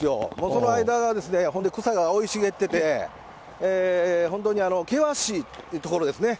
その間が、それで草が生い茂ってて、本当に険しい所ですね。